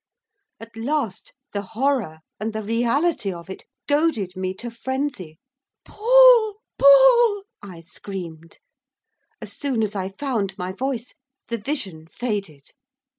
At last the horror, and the reality of it, goaded me to frenzy. 'Paul! Paul!' I screamed. As soon as I found my voice, the vision faded.